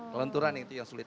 kelenturan itu yang sulit